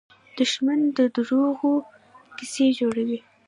دښمن د دروغو قصې جوړوي